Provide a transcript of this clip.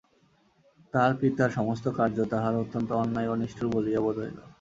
তাঁহার পিতার সমস্ত কার্য তাঁহার অত্যন্ত অন্যায় ও নিষ্ঠুর বলিয়া বোধ হইল।